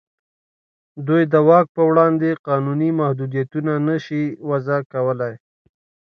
دوی د واک په وړاندې قانوني محدودیتونه نه شي وضع کولای.